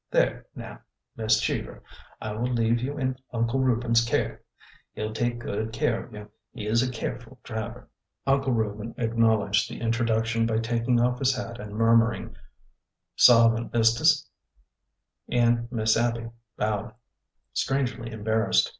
"There! Now, Miss Cheever, I will leave you in Uncle MISS ABBY ANN ARRIVES 21 Reuben's care. He 'll take good care of you. He is a careful driver." Uncle Reuben acknowledged the introduction by tak ing off his hat and murmuring, '' Sarvent, Mistis," and Miss Abby bowed, strangely embarrassed.